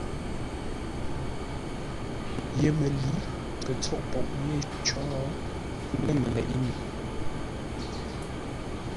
YEMƏLǏ kə tsôʼ poʼ yé có, lə̂ məleʼé mi.